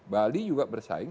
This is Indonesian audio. bali juga bersaing